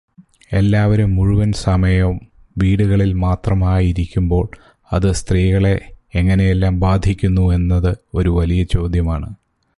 എല്ലാവരും മുഴുവൻ സമയം വീടുകളിൽ മാത്രമായിരിക്കുമ്പോൾ അത് സ്ത്രീകളെ എങ്ങനെയെല്ലാം ബാധിക്കുന്നു എന്നത് ഒരു വലിയ ചോദ്യമാണ്.